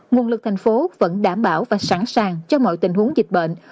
nguồn lực thành phố vẫn đảm bảo và sẵn sàng cho mọi tình huống dịch bệnh